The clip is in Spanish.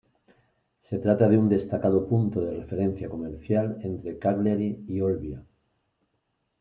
Se trata de un destacado punto de referencia comercial entre Cagliari y Olbia.